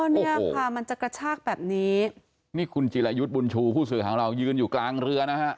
เนี่ยค่ะมันจะกระชากแบบนี้นี่คุณจิรายุทธ์บุญชูผู้สื่อของเรายืนอยู่กลางเรือนะฮะ